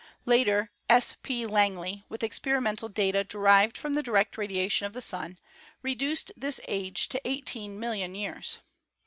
Later, S. P. Langley, with experimental data derived from the direct radiation of the Sun, reduced this age to eighteen million years.